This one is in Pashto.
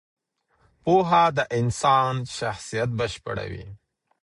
پوهه د انسان شخصیت بشپړوي.